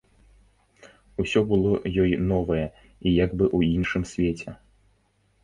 Усё было ёй новае і як бы ў іншым свеце.